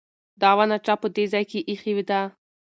دا ونه چا په دې ځای کې ایښې ده؟